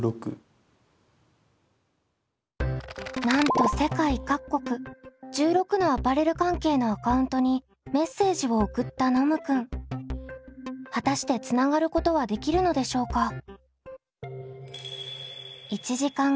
なんと世界各国１６のアパレル関係のアカウントにメッセージを送ったノムくん。果たしてつながることはできるのでしょうか？